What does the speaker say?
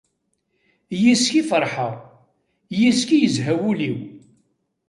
Yis-k i ferḥeɣ, yis-k i yezha wul-iw.